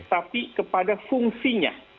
tapi kepada fungsinya